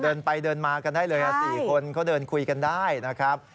เดินไปเดินมากันได้เลย๔คนเขาเดินคุยกันได้นะครับ